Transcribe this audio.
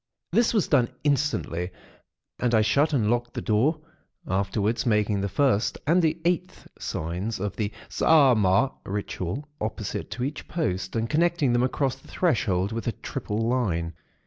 "This was done, instantly; and I shut and locked the door, afterwards making the First and the Eighth signs of the Saaamaaa Ritual opposite to each post, and connecting them across the threshold with a triple line.